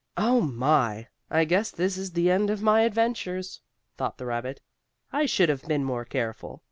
"Oh, my! I guess this is the end of my adventures," thought the rabbit. "I should have been more careful.